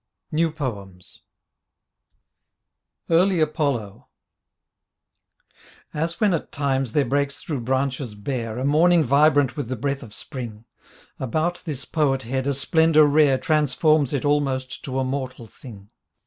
38 NEW POEMS EARLY APOLLO As when at times there breaks through branches bare A morning vibrant with the breath of spring, About this poet head a splendour rare Transforms it almost to a mortal thing.